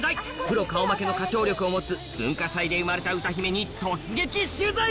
プロ顔負けの歌唱力を持つ文化祭で生まれた歌姫に突撃取材！